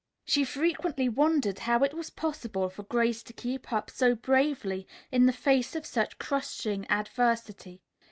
She frequently wondered how it was possible for Grace to keep up so bravely in the face of such crushing adversity.